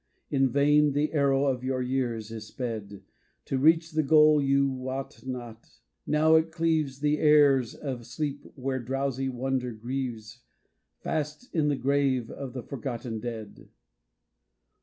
In vain the airow of your years is sped To reach the goal you wot not : now it cleaves The airs of sleep where drowsy wonder grieves Fast in the grave of the forgotten dead.